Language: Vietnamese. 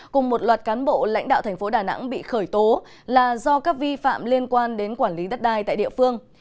cùng một loạt cán bộ lãnh đạo thành phố đà nẵng bị khởi tố là do các vi phạm liên quan đến quản lý đất đai tại địa phương